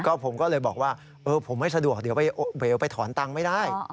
ผมก็เลยบอกว่าผมไม่สะดวกเดี๋ยวเวลไปถอนตังค์ไม่ได้